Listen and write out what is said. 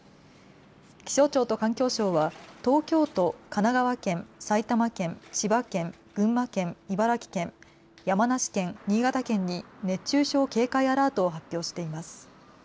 気象庁と環境省は東京都、神奈川県、埼玉県、千葉県、群馬県、茨城県、山梨県、新潟県に熱中症警戒アラートを発表しています。